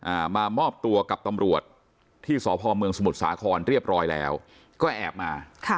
มามอบตัวกับตำรวจที่สพเมืองสมุทรสาครเรียบร้อยแล้วก็แอบมาค่ะ